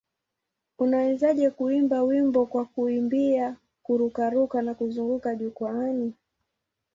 Unawezaje kuimba wimbo kwa kukimbia, kururuka na kuzunguka jukwaani?